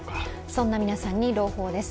そんな皆さんに朗報です。